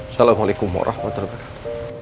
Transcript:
assalamualaikum warahmatullahi wabarakatuh